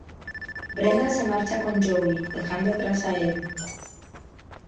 Brenda se marcha con Joey, dejando atrás a Ed.